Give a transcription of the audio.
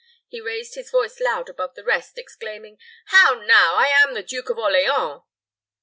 he raised his voice loud above the rest, exclaiming, "How now; I am the Duke of Orleans!"